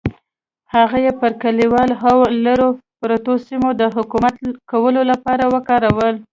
هغه یې پر کلیو او لرو پرتو سیمو د حکومت کولو لپاره وکارول.